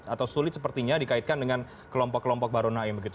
atau sulit sepertinya dikaitkan dengan kelompok kelompok baru naim begitu